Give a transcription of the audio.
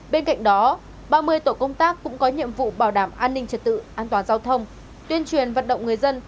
bên cạnh đó ba mươi tổ công tác cũng có nhiệm vụ bảo đảm an ninh trật tự an toàn giao thông tuyên truyền vận động người dân